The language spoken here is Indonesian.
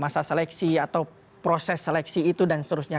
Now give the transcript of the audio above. masa seleksi atau proses seleksi itu dan seterusnya